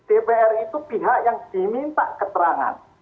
dpr itu pihak yang diminta keterangan